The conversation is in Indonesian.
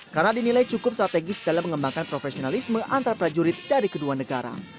karena dinilai cukup strategis dalam mengembangkan profesionalisme antar prajurit dari kedua negara